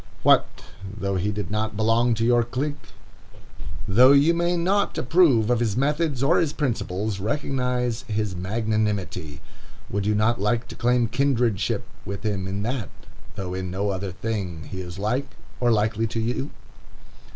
What though he did not belong to your clique! Though you may not approve of his method or his principles, recognize his magnanimity. Would you not like to claim kindredship with him in that, though in no other thing he is like, or likely, to you?